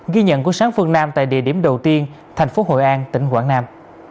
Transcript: ghi nhận của sáng phương nam tại địa điểm đầu tiên thành phố hội an tỉnh quảng nam